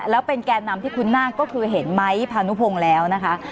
แล้วเป็นแก่นำที่คุ้นหน้าก็คือเห็นไม้พานุพงศ์แล้วนะคะ